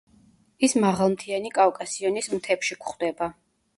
ის მაღალმთიანი კავკასიონის მთებში გვხვდება.